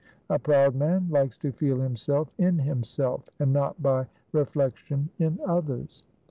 A proud man likes to feel himself in himself, and not by reflection in others.